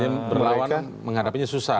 mereka menghadapinya susah